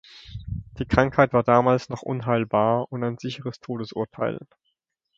Die Krankheit war damals noch unheilbar und ein sicheres Todesurteil.